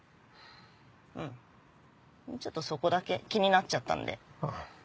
うんちょっとそこだけ気になっちゃったんで。